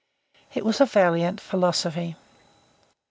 It was a valiant philosophy.